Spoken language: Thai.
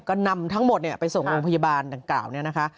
ก็นำทั้งหมดไปส่งโรงพยาบาลต่างนะคะ